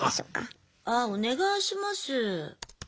あお願いします。